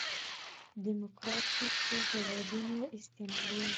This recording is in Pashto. دیموکراتیکو هېوادونو استعمالېږي.